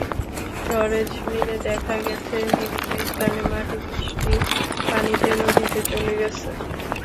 সরেজমিনে দেখা গেছে, বিভিন্ন স্থানে মাটি বৃষ্টির পানিতে নদীতে চলে গেছে।